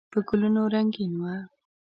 په ګلونو رنګین و.